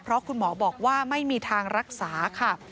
เพราะคุณหมอบอกว่าไม่มีทางรักษาค่ะ